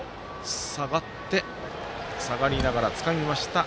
下がりながらつかみました。